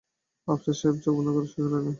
আফসার সাহেব চোখ বন্ধ করে শুয়ে রইলেন।